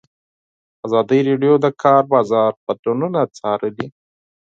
ازادي راډیو د د کار بازار بدلونونه څارلي.